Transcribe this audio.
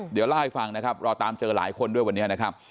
เดี๋ยวเล่าให้ฟังนะครับเราตามเจอหลายคนด้วยวันนี้นะครับ